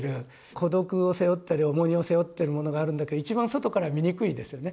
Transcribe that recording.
孤独を背負ったり重荷を背負ってるものがあるんだけど一番外から見にくいですよね。